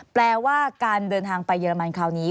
แปลว่าการเดินทางไปเยอรมันคราวนี้